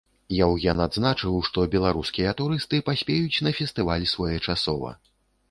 Яўген адзначыў, што беларускія турысты паспеюць на фестываль своечасова.